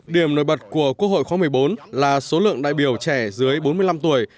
điểm nổi bật của quốc hội khóa một mươi bốn là số lượng đại biểu trẻ dưới bốn mươi năm tuổi